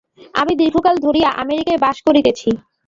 আমি দীর্ঘকাল ধরিয়া আমেরিকায় বাস করিতেছি।